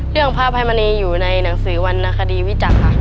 เรื่องภาพธรรมณีอยู่ในหนังสือวันนคดีวิจัตล์ค่ะ